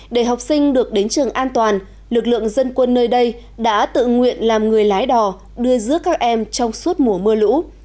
để học sinh được đến trường an toàn lực lượng dân quân nơi đây đã tự nguyện làm người lái đò đưa giữa các em trong suốt mùa mưa lũ